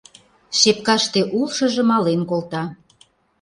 Шепкаште улшыжо мален колта.